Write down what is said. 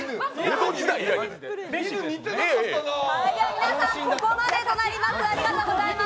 皆さん、ここまでとなります。